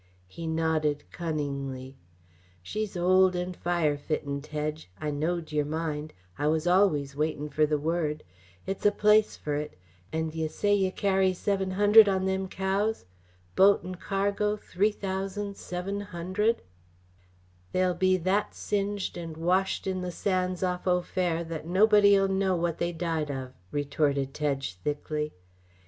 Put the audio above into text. He nodded cunningly: "She's old and fire fitten. Tedge, I knowed yer mind I was always waitin' fer the word. It's a place fer it and yeh say yeh carry seven hundred on them cows? Boat an' cargo three thousand seven hundred " "They'll be that singed and washed in the sands off Au Fer that nobody'll know what they died of!" retorted Tedge thickly.